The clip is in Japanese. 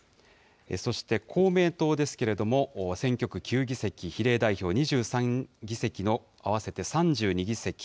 そして公明党ですけれども、選挙区９議席、比例代表２３議席の合わせて３２議席。